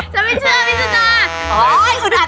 ฉันไม่เชื่อมิจจันทร์